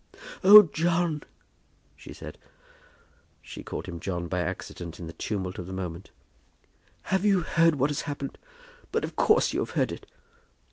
"Oh, John," she said. She called him John by accident in the tumult of the moment. "Have you heard what has happened? But of course you have heard it."